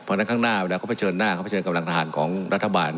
เพราะฉะนั้นข้างหน้าเวลาเขาเผชิญหน้าเขาเผชิญกำลังทหารของรัฐบาล